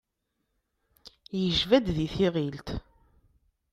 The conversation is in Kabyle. Yejba-d di tiɣilt.